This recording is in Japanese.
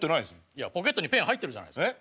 いやポケットにペン入ってるじゃないですか。